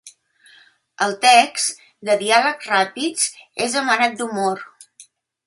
El text, de diàlegs ràpids, és amarat d’humor.